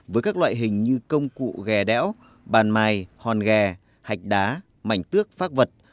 với các loại hình như công cụ ghè đéo bàn mài hòn ghe hạch đá mảnh tước phác vật